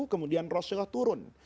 kemudian rasulullah turun